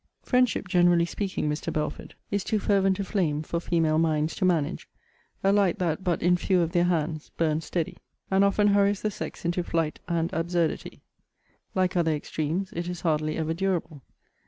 Friendship, generally speaking, Mr. Belford, is too fervent a flame for female minds to manage: a light that but in few of their hands burns steady, and often hurries the sex into flight and absurdity. Like other extremes, it is hardly ever durable.